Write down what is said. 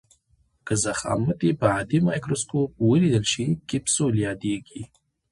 که ضخامت یې په عادي مایکروسکوپ ولیدل شي کپسول یادیږي.